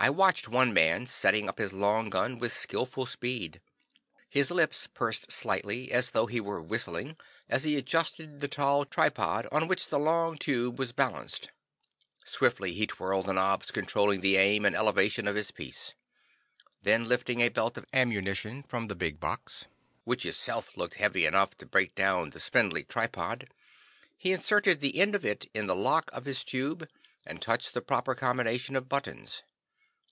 I watched one man setting up his long gun with skillful speed. His lips pursed slightly as though he were whistling, as he adjusted the tall tripod on which the long tube was balanced. Swiftly he twirled the knobs controlling the aim and elevation of his piece. Then, lifting a belt of ammunition from the big box, which itself looked heavy enough to break down the spindly tripod, he inserted the end of it in the lock of his tube and touched the proper combination of buttons.